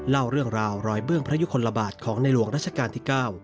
เล่าเรื่องราวรอยเบื้องพระยุคลบาทของในหลวงรัชกาลที่๙